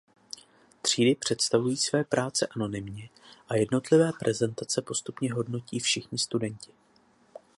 Třídy představují své práce anonymně a jednotlivé prezentace postupně hodnotí všichni studenti.